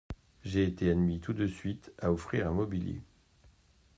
J’ai été admis tout de suite… à offrir un mobilier…